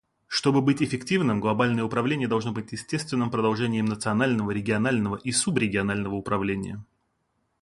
Чтобы быть эффективным, глобальное управление должно быть естественным продолжением национального, регионального и субрегионального управления.